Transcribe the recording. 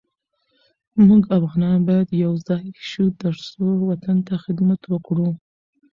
مونږ افغانان باید یوزاي شو ترڅو وطن ته خدمت وکړو